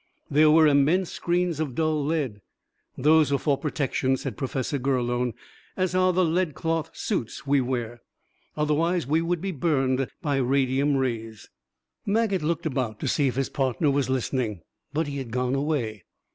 There were immense screens of dull lead. "Those are for protection," said Professor Gurlone, "as are the lead cloth suits we wear. Otherwise we would be burned by radium rays." Maget looked about, to see if his partner was listening, but he had gone away.